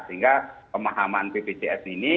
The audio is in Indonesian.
sehingga pemahaman bpjs ini